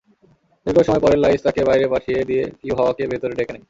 দীর্ঘ সময় পরে লাঈছ তাকে বাইরে পাঠিয়ে দিয়ে ইউহাওয়াকে ভেতরে ডেকে নেয়।